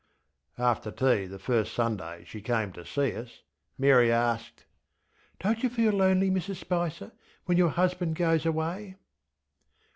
ŌĆÖ After tea the first Sunday she came to see us, Mary asked: ŌĆśDonŌĆÖt you feel lonely, Mrs Spicer, when your husband goes away?